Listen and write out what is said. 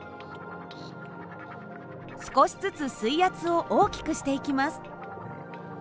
少しずつ水圧を大きくしていきます。